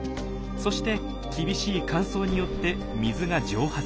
そして厳しい乾燥によって水が蒸発。